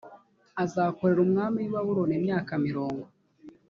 azakorera umwami w i babuloni imyaka mirongo